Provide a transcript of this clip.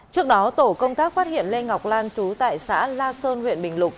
trước đó tổ công tác phát hiện lê ngọc lan chú tại xã la sơn huyện bình lục